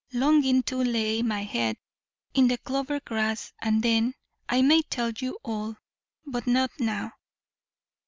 longing to lay my head in the clover grass, and then I may tell you all but not now."